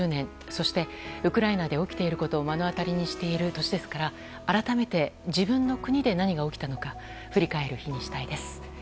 そしてウクライナで起きていることを目の当たりにしている年ですから改めて自分の国で何が起きたのか振り返る日にしたいです。